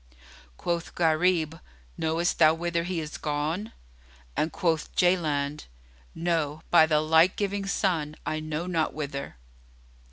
Quoth Gharib, "Knowest thou whither he is gone?"; and quoth Jaland, "No, by the light giving sun, I know not whither."